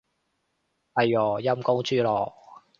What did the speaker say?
哎唷，陰公豬咯